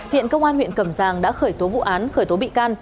hiện công an huyện cẩm giang đã khởi tố vụ án khởi tố bị can